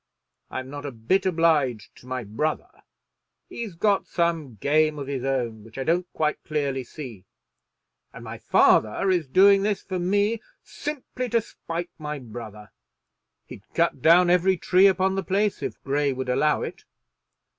I'm not a bit obliged to my brother. He's got some game of his own which I don't quite clearly see, and my father is doing this for me simply to spite my brother. He'd cut down every tree upon the place if Grey would allow it.